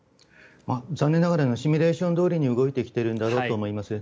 残念ながらシミュレーションどおりに動いてきているんだろうと思います。